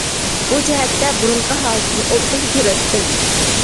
بۇ جەھەتتە بۇرۇنقى ھالىتىنى ئوبدان كۆرەتتىم!